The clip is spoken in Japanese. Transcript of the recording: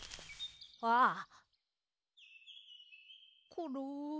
コロ。